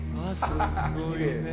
すごいね。